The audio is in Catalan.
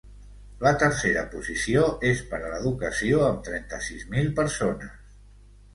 La tercera posició és per a l’educació, amb trenta-sis mil persones.